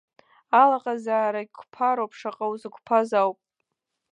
Алаҟазаарагь қәԥароуп, шаҟа узықәԥаз ауп.